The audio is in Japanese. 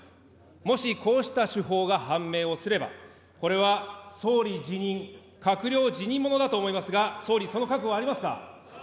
もし、こうした手法が判明をすれば、これは総理辞任、閣僚辞任ものだと思いますが、総理、その覚悟はありますか。